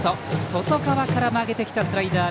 外側から曲げてきたスライダー。